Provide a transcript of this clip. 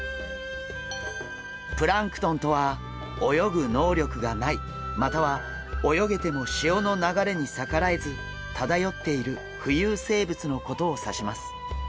プランクトンとは泳ぐ能力がないまたは泳げても潮の流れに逆らえず漂っている浮遊生物のことを指します。